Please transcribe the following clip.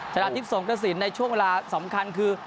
สถานที่ส่งกระสินในช่วงเวลาสำคัญคือ